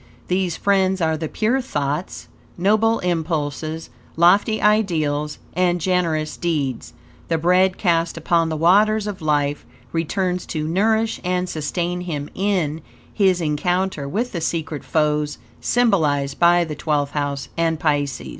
These friends are the pure thoughts, noble impulses, lofty ideals, and generous deeds. The bread cast upon the Waters of Life returns to nourish and sustain him in his encounter with the secret foes, symbolized by the Twelfth House and Pisces.